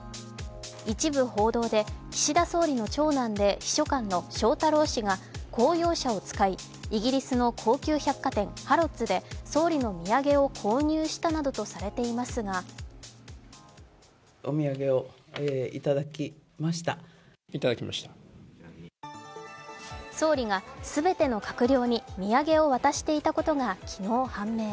一部報道で岸田総理の長男で秘書官の翔太郎氏が公用車を使い、イギリスの高級百貨店ハロッズで総理の土産を購入したなどとされていますが総理が全ての閣僚に土産を渡していたことが昨日判明。